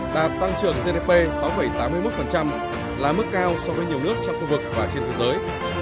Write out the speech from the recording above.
đạt tăng trưởng gdp sáu tám mươi một là mức cao so với nhiều nước trong khu vực và trên thế giới